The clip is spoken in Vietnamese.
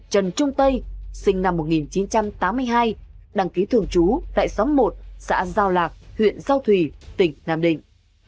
trần trung tây sinh năm một nghìn chín trăm tám mươi hai đăng ký thường trú tại xóm một xã giao lạc huyện giao thủy tỉnh nam định